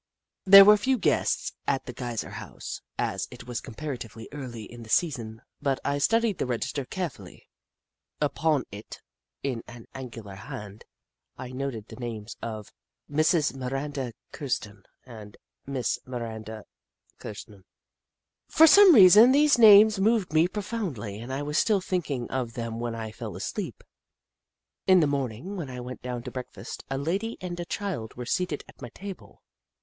There were few guests at the Geyser House, as it was comparatively early in the season, but I studied the register carefully. Upon it, in an angular hand, I noted the names of " Mrs. Miranda Kirsten," and " Miss Miranda Kirsten." For some reason, these names moved me profoundly, and I was still thinking of them when I fell asleep. In the morning, when I went down to break fast, a lady and a child were seated at my table.